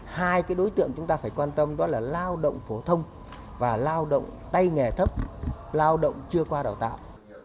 hai đối tượng chúng ta phải quan tâm đó là lao động phổ thông và lao động tay nghề thấp lao động chưa qua đào tạo